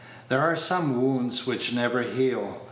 There are some wounds which never heal.